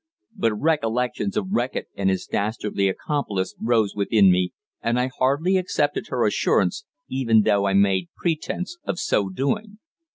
But recollections of Reckitt and his dastardly accomplice arose within me, and I hardly accepted her assurance, even though I made pretence of so doing.